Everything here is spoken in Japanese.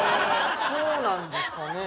そうなんですかね。